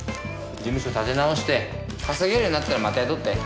事務所立て直して稼げるようになったらまた雇って。